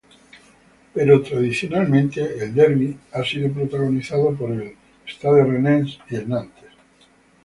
Pero, tradicionalmente, el derbi ha sido protagonizado por el Stade Rennais y Nantes.